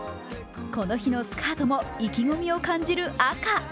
この日のスカートも意気込みを感じる赤。